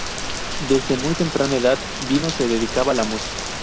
Desde muy temprana edad Dino se dedicaba a la música.